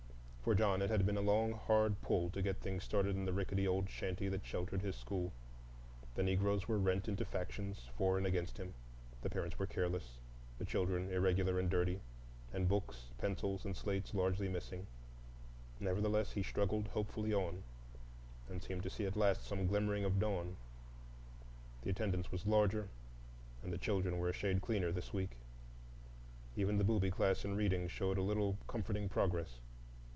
For John, it had been a long, hard pull to get things started in the rickety old shanty that sheltered his school. The Negroes were rent into factions for and against him, the parents were careless, the children irregular and dirty, and books, pencils, and slates largely missing. Nevertheless, he struggled hopefully on, and seemed to see at last some glimmering of dawn. The attendance was larger and the children were a shade cleaner this week. Even the booby class in reading showed a little comforting progress.